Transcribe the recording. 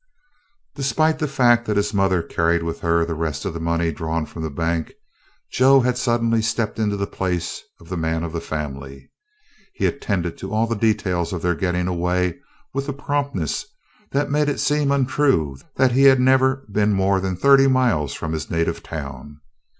Despite the fact that his mother carried with her the rest of the money drawn from the bank, Joe had suddenly stepped into the place of the man of the family. He attended to all the details of their getting away with a promptness that made it seem untrue that he had never been more than thirty miles from his native town.